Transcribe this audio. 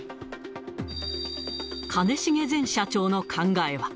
兼重前社長の考えは。